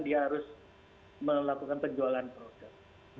dia harus melakukan penjualan produk